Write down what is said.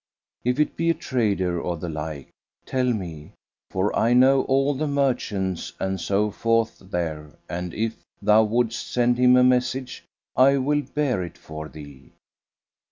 If it be a trader or the like, tell me; for I know all the merchants and so forth there and, if thou wouldst send him a message, I will bear it for thee."